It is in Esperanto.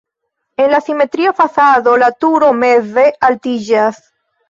En la simetria fasado la turo meze altiĝas.